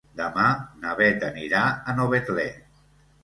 Demà na Beth anirà a Novetlè.